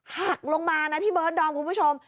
หักลงมานะพี่เบิร์ดดอมคุณผู้ชม